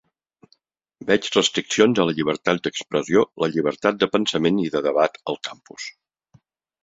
Veig restriccions a la llibertat d"expressió, la llibertat de pensament i de debat al campus.